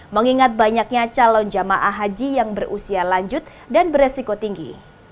mengingat banyaknya calon jamaah haji yang berusia lanjut dan beresiko tinggi